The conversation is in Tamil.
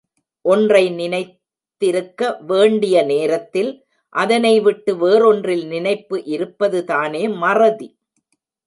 ஒன்றை நினைத் திருக்க வேண்டிய நேரத்தில், அதனைவிட்டு, வேறொன்றில் நினைப்பு இருப்பது தானே மறதி!